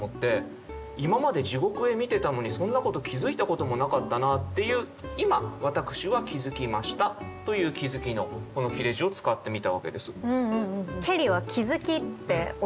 今まで地獄絵見てたのにそんなこと気づいたこともなかったなっていう今私は気づきましたという気づきのこの切れ字を使ってみたわけです。